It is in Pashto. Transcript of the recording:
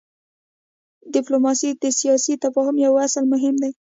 ډيپلوماسي د سیاسي تفاهم یو مهم اصل دی.